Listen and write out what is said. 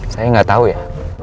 saya gak tau ya